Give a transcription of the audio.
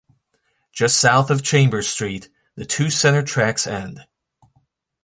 Just south of Chambers Street, the two center tracks end.